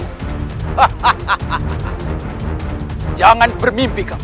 apa pun permintaanmu